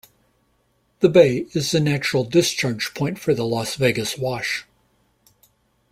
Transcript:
The bay is the natural discharge point for the Las Vegas Wash.